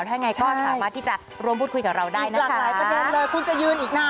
ถ้าอย่างไรก็ถามมาที่จะรวมพูดคุยกับเราได้นะคะ